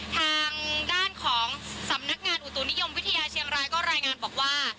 ทางด้านของสำนักงานอุตุนิยมวิทยาเชียงรายก็รายงานบอกว่า